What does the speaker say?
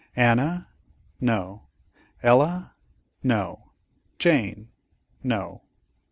"Anna?" "No." "Ella?" "No?" "Jane?" "No."